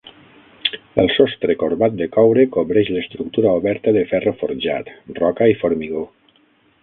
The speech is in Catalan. El sostre corbat de coure cobreix l'estructura oberta de ferro forjat, roca i formigó.